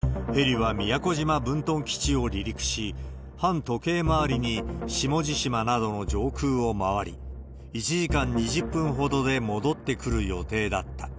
公開された飛行計画によると、ヘリは宮古島分屯基地を離陸し、反時計回りに下地島などの上空を回り、１時間２０分ほどで戻ってくる予定だった。